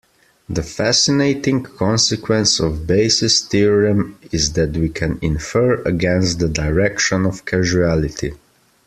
The fascinating consequence of Bayes' theorem is that we can infer against the direction of causality.